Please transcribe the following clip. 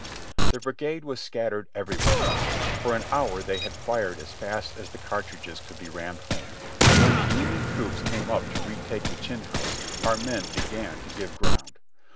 The brigade was scattered everywhere now. For an hour they had fired as fast as the cartridges could be rammed home. When the Union troops came up to retake the Chinn House, our men began to give ground.